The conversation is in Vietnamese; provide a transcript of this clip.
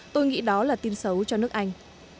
tôi nghĩ đó là tin xấu cho nước anh